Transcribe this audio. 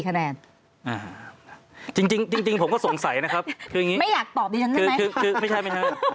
๔คะแนนจริงผมก็สงสัยนะครับคืออย่างนี้ไม่อยากตอบดีกว่า